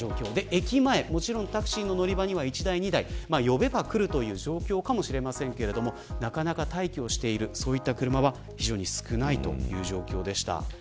駅前もちろんタクシーの乗り場には１台、２台呼べば来るという状況かもしれませんがなかなか待機をしている車は少ないという状況でした。